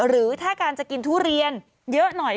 หรือถ้าการจะกินทุเรียนเยอะหน่อย